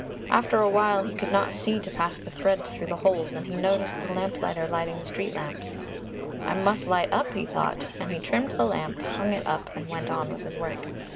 After a while he could not see to pass the thread through the holes and he noticed the lamplighter lighting the street lamps. "I must light up," he thought. And he trimmed the lamp, hung it up and went on with his work.